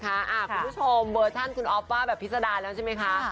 คุณผู้ชมเวอร์ชันคุณอ๊อฟว่าแบบพิษดาแล้วใช่ไหมคะ